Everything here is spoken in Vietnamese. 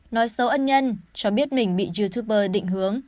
nói xấu ân nhân cho biết mình bị youtuber định hướng